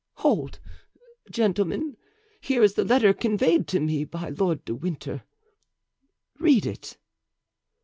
Hold! gentlemen, here is the letter conveyed to me by Lord de Winter. Read it."